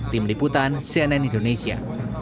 tim liputan cnn indonesia